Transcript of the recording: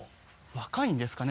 若いんですかね？